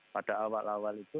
pada awal awal itu